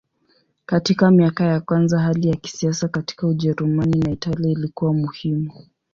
Katika miaka ya kwanza hali ya kisiasa katika Ujerumani na Italia ilikuwa muhimu.